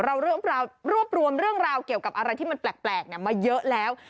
เรารวบรวมเรื่องราวเกี่ยวกับอะไรที่มันแปลกมาเยอะแล้ว